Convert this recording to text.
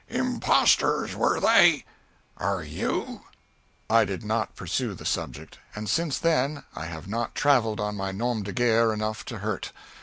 impostors, were they? Are you? I did not pursue the subject, and since then I have not travelled on my nom de guerre enough to hurt.